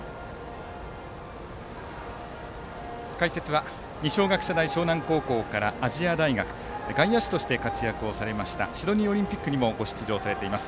解説は二松学舎大沼南高校から亜細亜大学で外野手として活躍されましたシドニーオリンピックにもご出場されています